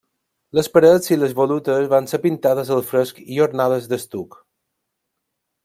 Les parets i les volutes van ser pintades al fresc i ornades d'estuc.